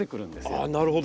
あなるほど。